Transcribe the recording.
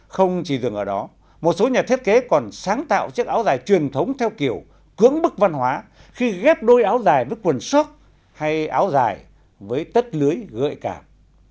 không chỉ dừng ở đó một số nhà thiết kế còn sáng tạo chiếc áo dài truyền thống theo kiểu cưỡng bức văn hóa khi ghép đôi áo dài với quần sóc hay áo dài với tất lưới gợi cảm